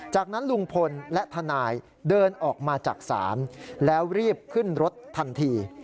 จากนั้นลุงพลและทนายเดินออกมาจากศาลแล้วรีบขึ้นรถทันที